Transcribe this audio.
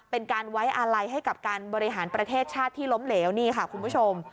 เป็นการไว้อาลัยให้กับการบริหารประเทศชาติที่ล้มเหลวนี่ค่ะคุณผู้ชม